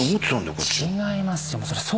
違いますよ